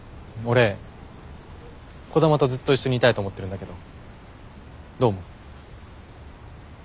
俺兒玉とずっと一緒にいたいと思ってるんだけどどう思う？